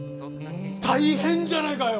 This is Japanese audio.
大変じゃないかよ！